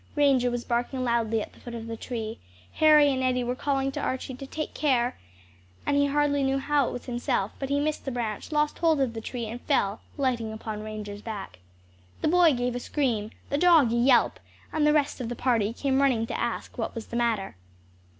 Ranger was barking loudly at the foot of the tree, Harry and Eddie were calling to Archie to "Take care!" and he hardly knew how it was himself, but he missed the branch, lost his hold of the tree, and fell, lighting upon Ranger's back. The boy gave a scream, the dog a yelp, and the rest of the party came running to ask what was the matter.